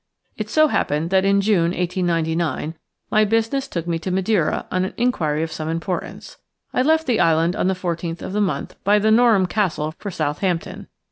It so happened that in June, 1899, my business took me to Madeira on an inquiry of some importance. I left the island on the 14th of the month by the Norham Castle for Southampton.